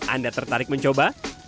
bagaimana anda tertarik mencoba